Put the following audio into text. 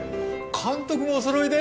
監督もおそろいで。